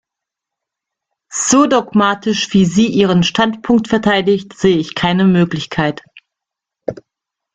So dogmatisch, wie sie ihren Standpunkt verteidigt, sehe ich keine Möglichkeit.